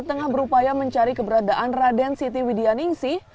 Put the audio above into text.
tengah berupaya mencari keberadaan raden siti widianingsi